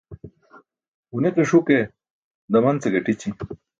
Ġuniqiṣ huke daman ce gaṭići.